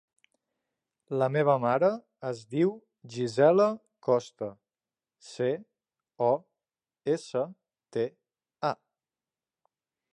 La meva mare es diu Gisela Costa: ce, o, essa, te, a.